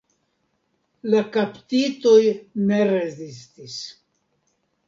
La kaptitoj ne rezistis.